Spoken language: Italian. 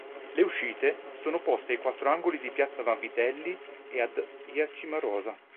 Le uscite sono poste ai quattro angoli di Piazza Vanvitelli ed a Via Cimarosa.